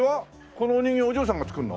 このお人形お嬢さんが作るの？